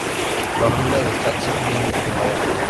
La familia de Jax viene a Miami.